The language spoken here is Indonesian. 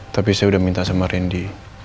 tapi saya udah minta sama rindy